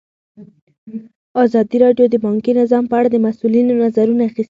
ازادي راډیو د بانکي نظام په اړه د مسؤلینو نظرونه اخیستي.